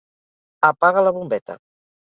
Apaga la bombeta.